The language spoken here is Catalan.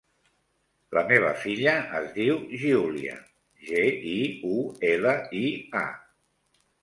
La meva filla es diu Giulia: ge, i, u, ela, i, a.